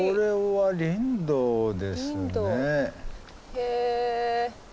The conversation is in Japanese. へえ。